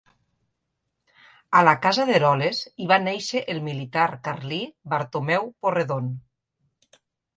A la casa d'Eroles hi va néixer el militar carlí Bartomeu Porredon.